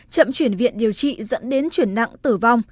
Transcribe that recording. chậm chuyển viện điều trị dẫn đến chuyển nặng tử vong